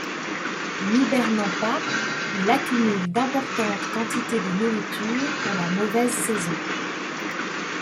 N'hibernant pas, il accumule d'importantes quantités de nourriture pour la mauvaise saison.